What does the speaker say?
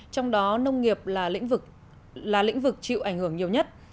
trong đó nông nghiệp là lĩnh vực chịu ảnh hưởng nhiều nhất